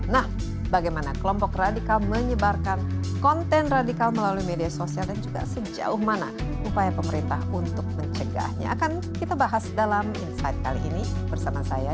nah bagaimana kelompok radikal menyebarkan konten radikal melalui media sosial dan juga sejauh mana upaya pemerintah untuk mencegahnya akan kita bahas dalam insight kali ini bersama saya